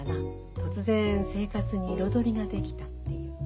突然生活に彩りができたっていう。